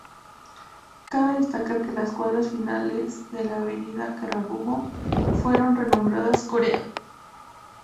Cabe destacar que las cuadras finales de la avenida Carabobo fueron renombradas "Corea".